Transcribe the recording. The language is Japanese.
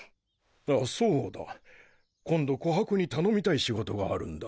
あそうだ今度琥珀に頼みたい仕事があるんだ。